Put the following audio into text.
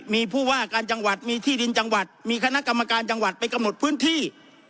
มีผู้ว่าการจังหวัดมีที่ดินจังหวัดมีคณะกรรมการจังหวัดไปกำหนดพื้นที่